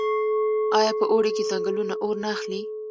آیا په اوړي کې ځنګلونه اور نه اخلي؟